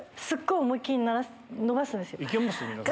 すごい思い切り伸ばすんですよ